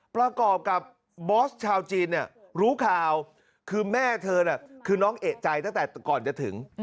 ประกอบกับบอสชาวจีนเนี่ยรู้ข่าวคือแม่เธอน่ะคือน้องเอกใจตั้งแต่ก่อนจะถึง